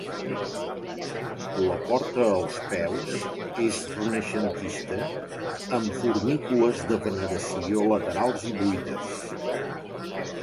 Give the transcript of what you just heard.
La porta als peus és renaixentista, amb fornícules de veneració laterals i buides.